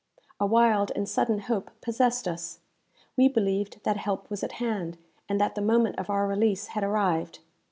A wild and sudden hope possessed us. We believed that help was at hand, and that the moment of our release had arrived.